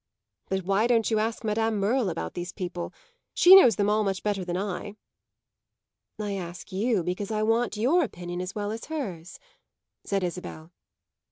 But why don't you ask Madame Merle about these people? She knows them all much better than I." "I ask you because I want your opinion as well as hers," said Isabel.